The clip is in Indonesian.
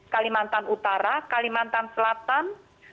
kalimantan utara kalimantan selatan